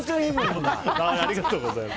ありがとうございます。